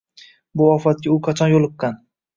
Bu ofatga u qachon yo’liqqan?